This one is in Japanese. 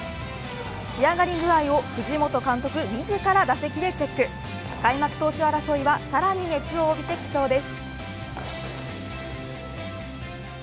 仕上がり具合を藤本監督、自ら打席でチェックを開幕投手争いはさらに熱を帯びてきそうです。